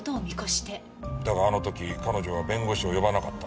だがあの時彼女は弁護士を呼ばなかった。